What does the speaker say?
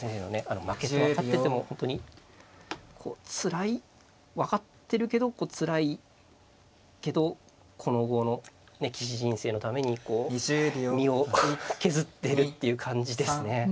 負けと分かってても本当にこうつらい分かってるけどつらいけどこの後の棋士人生のためにこう身を削ってるっていう感じですね。